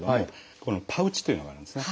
このパウチというのがあるんですね